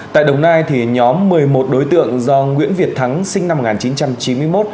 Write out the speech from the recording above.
tại đồng nai nhóm một mươi một đối tượng do nguyễn việt thắng sinh năm một nghìn chín trăm chín mươi một